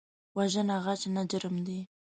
وژنه غچ نه، جرم دی